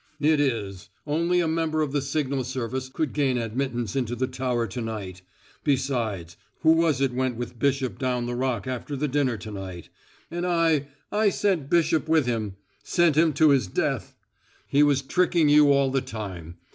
"It is! Only a member of the signal service could gain admittance into the tower to night. Besides who was it went with Bishop down the Rock after the dinner to night? And I I sent Bishop with him sent him to his death. He was tricking you all the time.